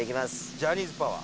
ジャニーズパワー。